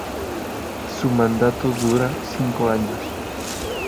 Su mandato dura cinco años.